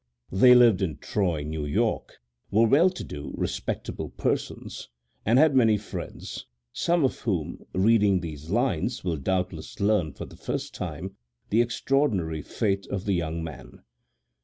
They lived in Troy, New York, were well to do, respectable persons, and had many friends, some of whom, reading these lines, will doubtless learn for the first time the extraordinary fate of the young man.